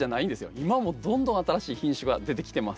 今もどんどん新しい品種が出てきてます。